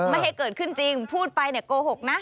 ไม่ให้เกิดขึ้นจริงพูดไปเนี่ยโกหกนะ